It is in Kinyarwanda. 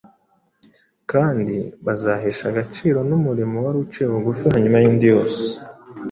kandi buzahesha agaciro n’umurimo wari uciye bugufi hanyuma y’indi yose.